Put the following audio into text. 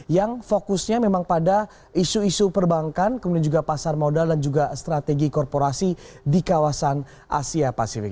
yang fokusnya memang pada isu isu perbankan kemudian juga pasar modal dan juga strategi korporasi di kawasan asia pasifik